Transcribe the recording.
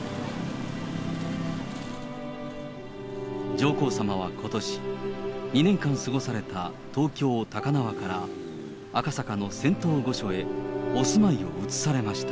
上皇さまはことし、２年間過ごされた東京・高輪から、赤坂の仙洞御所へお住まいを移されました。